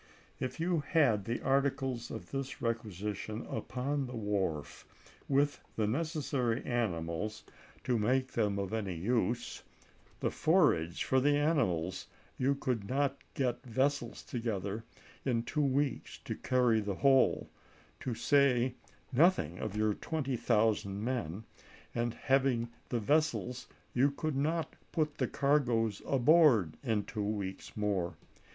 If you had the articles of this requisition upon the wharf, with the necessary animals to make them of any use, and forage for the animals, you could not get vessels together in two weeks to carry the whole, to say nothing of your twenty thousand men; and, having the vessels, you could not put the cargoes aboard in two weeks more.